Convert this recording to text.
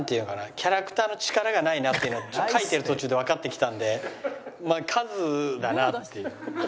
キャラクターの力がないなっていうのが描いてる途中でわかってきたんで数だなっていう。